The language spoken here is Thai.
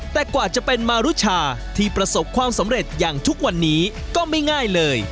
แต่กว่าจะเป็นมารุชาที่ประสบความสำเร็จอย่างทุกวันนี้ก็ไม่ง่ายเลย